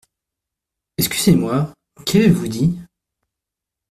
Excusez-moi, qu’avez-vous dit ?